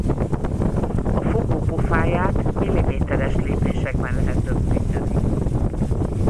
A fogó pofáját milliméteres lépésekben lehet rögzíteni.